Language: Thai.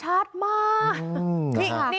ชัดมาก